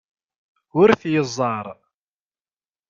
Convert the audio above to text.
Ur t-yeẓẓar.